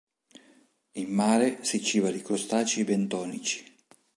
In mare si ciba di crostacei bentonici.